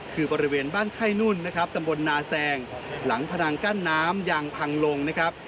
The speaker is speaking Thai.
คือบริเวณบ้านไข้นุ่นนะครับตำบลนาแซงหลังพนังกั้นน้ำยังพังลงนะครับ